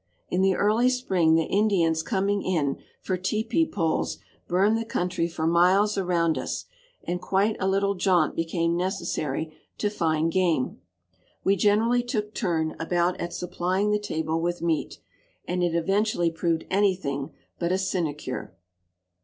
In the early spring the Indians coming in for "tepee" poles burned the country for miles around us, and quite a little jaunt became necessary to find game. We generally took turn about at supplying the table with meat, and it eventually proved anything but a sinecure.